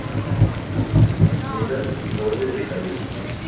Habita cunetas y bordes de caminos.